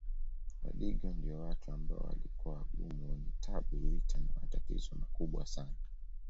Wadigo ndio watu ambao walikuwa wagumu wenye tabu vita na matatizo makubwa sana